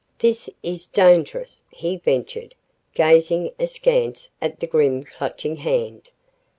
"This is dangerous," he ventured, gazing askance at the grim Clutching Hand.